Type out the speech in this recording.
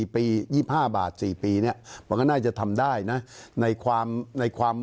๔ปี๒๕บาท๔ปีเนี่ยมันก็น่าจะทำได้นะ